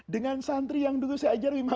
dengan santri yang dulu saya ajarin